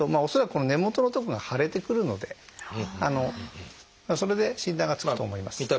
恐らくこの根元のとこが腫れてくるのでそれで診断がつくと思います。